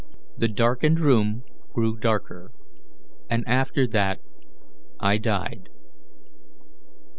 The darkened room grew darker, and after that I died.